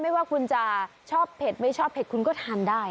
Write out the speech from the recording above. ไม่ว่าคุณจะชอบเผ็ดไม่ชอบเผ็ดคุณก็ทานได้